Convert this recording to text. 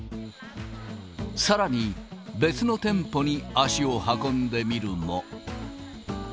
さらに、別の店舗に足を運んでみるも。